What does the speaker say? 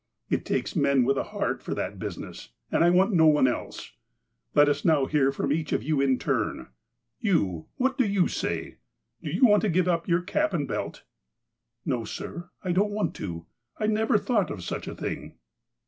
It takes men with a heart for that business, and I want no one else. Let us now hear from each of you in turn. You — what do you say ? Do you want to give up your cap and belt 1 " "No, sir. I don't want to. I never thought of such a thing."